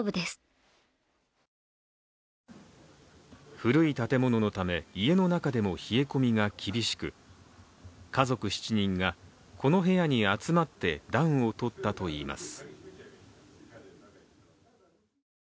古い建物のため、家の中でも冷え込みが厳しく、家族７人がこの部屋に集まって暖を取ったといいます。